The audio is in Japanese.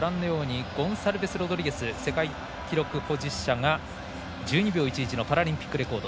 ゴンサルベスロドリゲス世界記録保持者が１２秒１１のパラリンピックレコード。